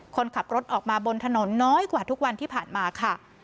คนขับรถออกมาบนถนนน้อยกว่าทุกวันที่ผ่านมาค่ะ